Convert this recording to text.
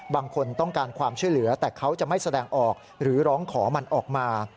บางคนต้องการความช่วยเหลือแต่เขาจะไม่แสดงออกหรือร้องขอมันออกมา